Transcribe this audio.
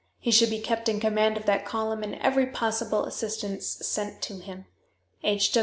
He should be kept in command of that column, and every possible assistance sent to him. "H.